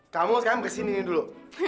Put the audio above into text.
kamu sekarang kesini dulu